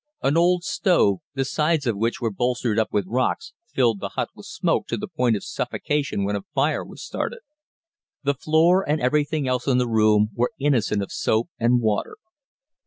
An old stove, the sides of which were bolstered up with rocks, filled the hut with smoke to the point of suffocation when a fire was started. The floor and everything else in the room were innocent of soap and water.